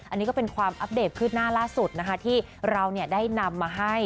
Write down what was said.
อันนี้ก็เป็นความอัปเดตขึ้นหน้าล่าสุดนะคะที่เราได้นำมาให้